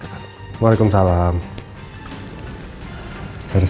waalaikumsalam salamualaikum warahmatullahi wabarakatuh